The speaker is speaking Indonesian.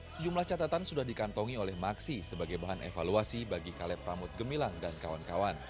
sejumlah catatan sudah dikantongi oleh maksi sebagai bahan evaluasi bagi kaleb ramut gemilang dan kawan kawan